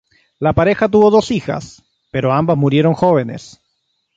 La pareja tuvo dos hijas, pero ambas murieron jóvenes.